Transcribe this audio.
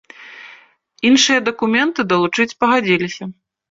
Іншыя дакументы далучыць пагадзілася.